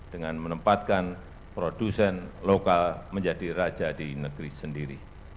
dengan menempatkan produsen lokal menjadi raja di negeri sendiri